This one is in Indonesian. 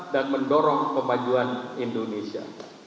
dan mendorong pemajuan indonesia